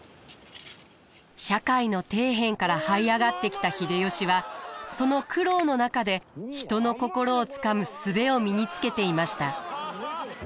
社会の底辺からはい上がってきた秀吉はその苦労の中で人の心をつかむ術を身につけていました。